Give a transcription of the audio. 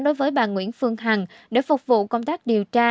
đối với bà nguyễn phương hằng để phục vụ công tác điều tra